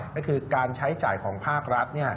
ก็คือการใช้จ่ายของภาครัฐ